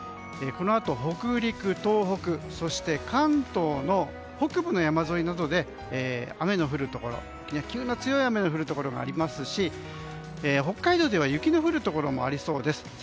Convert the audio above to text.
このあと北陸、東北そして関東の北部の山沿いなどで急な強い雨が降るところがありますし北海道では雪の降るところもありそうです。